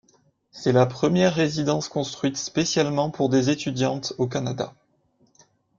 C'est la première résidence construite spécialement pour des étudiantes au Canada.